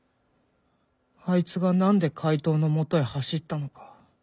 あいつが何で怪盗のもとへ走ったのか。